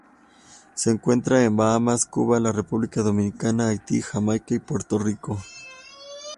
Se encuentra en Bahamas, Cuba, la República Dominicana, Haití, Jamaica y Puerto Rico.